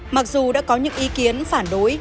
mặc dù đã có những ý kiến phản đối